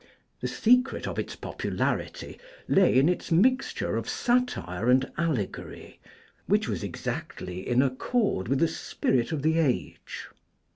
The secret of its popularity lay in its mixture of satire and allegory, which was exactly in accord with the spirit of the age.